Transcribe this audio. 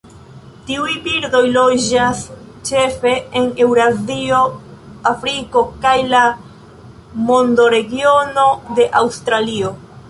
Tiuj birdoj loĝas ĉefe en Eŭrazio, Afriko kaj la mondoregiono de Aŭstralio.